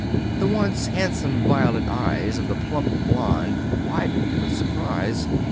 The once handsome violet eyes of the plump blonde widened with surprise.